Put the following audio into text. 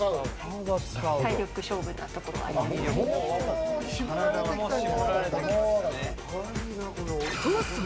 体力勝負なところはあります。